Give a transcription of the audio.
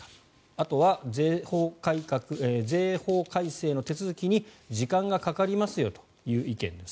あとは税法改正の手続きに時間がかかりますよという意見です。